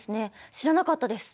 知らなかったです。